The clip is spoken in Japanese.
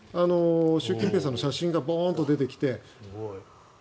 習近平さんの写真がボーンと出てきて。